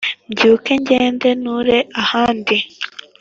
Mbyuke ngende nture ahandi